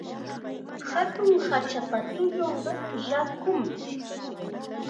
Hatun hachapa tullunqa rakum.